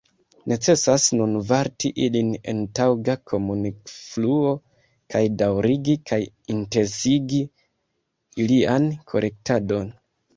Necesas nun varti ilin en taŭga komunikfluo kaj daŭrigi kaj intensigi ilian kolektadon.